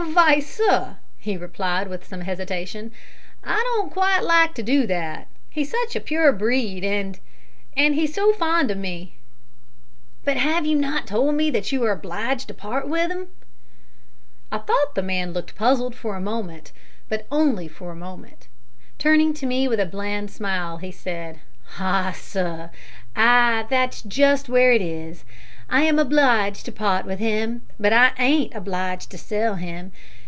"Vy, sir," he replied, with some hesitation, "I don't quite like to do that. He's such a pure breed, and and he's so fond o' me." "But have you not told me that you are obliged to part with him?" I thought the man looked puzzled for a moment, but only for a moment. Turning to me with a bland smile, he said, "Ah, sir I that's just where it is. I am obleeged to part with him, but I ain't obleeged to sell him.